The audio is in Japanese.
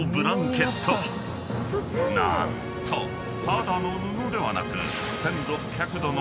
［何とただの布ではなく］